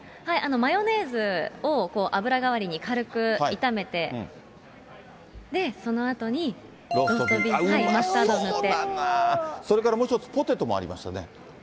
マヨネーズを油代わりに軽く炒めて、で、そのあとにローストビーフ、それからもう一つ、ポテトもありましたね。